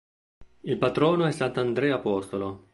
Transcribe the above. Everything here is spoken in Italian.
Il patrono è Sant'Andrea apostolo.